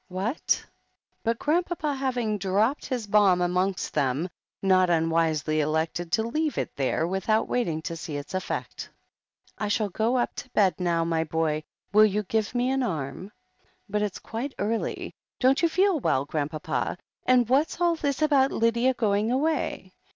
'Whatr But Grandpapa, having dropped his bomb amongst them, not unwisely elected to leave it there without waiting to see its effect. "I shall go up to bed now, my boy. Will you give me an arm?" "But it's quite early. Don't you feel well, Grand papa? And what's all this about Lydia going away?"